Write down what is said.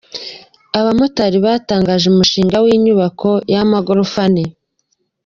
Abamotari batangije umushinga w’inyubako y’amagorofa Ane